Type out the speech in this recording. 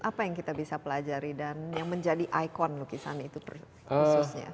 apa yang kita bisa pelajari dan yang menjadi ikon lukisan itu khususnya